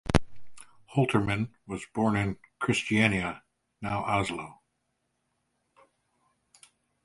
Holtermann was born in Kristiania (now Oslo).